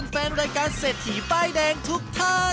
แฟนรายการเสถีไปดแดงทุกท่าน